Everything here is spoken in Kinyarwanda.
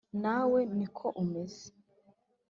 Nawe ni ko umeze,